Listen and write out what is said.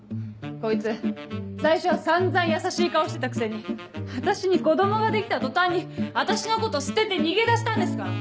こいつ最初は散々優しい顔してたくせに私に子供ができた途端に私のこと捨てて逃げ出したんですから。